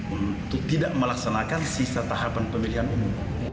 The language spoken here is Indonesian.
untuk tidak melaksanakan sisa tahapan pemilihan umum